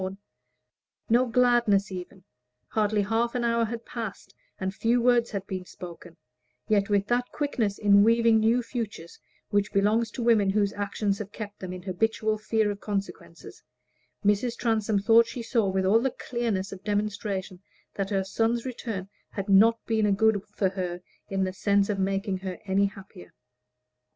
The moment was gone by; there had been no ecstasy, no gladness even; hardly half an hour had passed, and few words had been spoken, yet with that quickness in weaving new futures which belongs to women whose actions have kept them in habitual fear of consequences, Mrs. Transome thought she saw with all the clearness of demonstration that her son's return had not been a good for her in the sense of making her any happier.